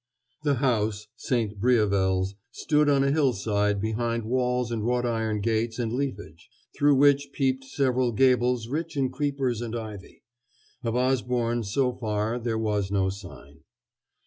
The house, "St. Briavels," stood on a hillside behind walls and wrought iron gates and leafage, through which peeped several gables rich in creepers and ivy. Of Osborne, so far, there was no sign.